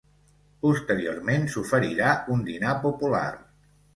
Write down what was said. Posteriorment, s’oferirà un dinar popular.